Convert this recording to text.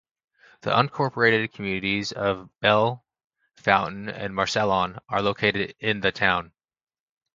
The unincorporated communities of Belle Fountain and Marcellon are located in the town.